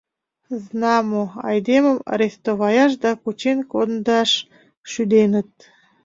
Знамо, айдемым арестоваяш да кучен кондаш шӱденыт.